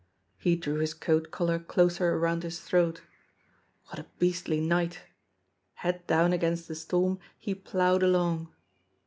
He drew his coat collar closer around his throat. What a beastly night! Head down against the storm, he ploughed along.